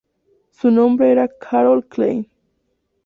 Su nombre era Carole Klein.